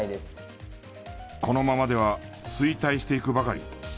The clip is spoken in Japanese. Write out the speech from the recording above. このままでは衰退していくばかり。